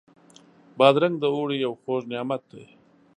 بادرنګ د اوړي یو خوږ نعمت دی.